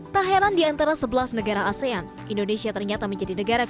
tak heran di antara sebelas negara asean indonesia ternyata menjadi negara